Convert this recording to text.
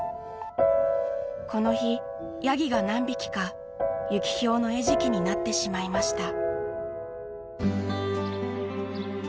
この日ヤギが何匹かユキヒョウの餌食になってしまいました。